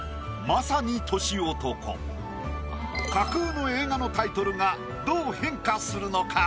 架空の映画のタイトルがどう変化するのか？